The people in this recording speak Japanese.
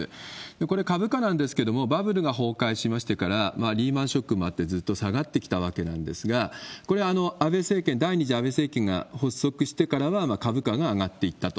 これ、株価なんですけれども、バブルが崩壊しましてから、リーマンショックもあってずっと下がってきたわけなんですが、これ、安倍政権、第２次安倍政権が発足してからは株価が上がっていったと。